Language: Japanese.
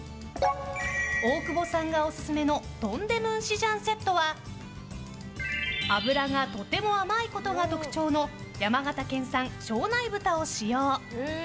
大久保さんがオススメのトンデムンシジャンセットは脂がとても甘いことが特徴の山形県産庄内豚を使用。